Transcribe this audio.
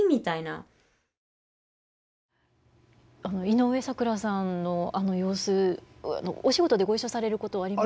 井上咲楽さんのあの様子お仕事でご一緒されることあります？